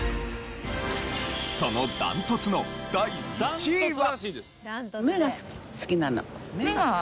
その断トツの第１位は。